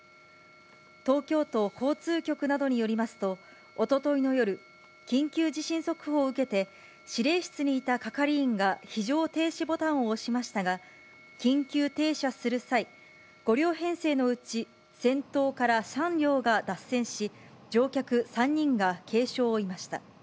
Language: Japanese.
東京都交通局などによりますと、おとといの夜、緊急地震速報を受けて指令室にいた係員が非常停止ボタンを押しましたが、緊急停車する際、５両編成のうち先頭から３両が脱線し、乗客３人が軽傷を負いました。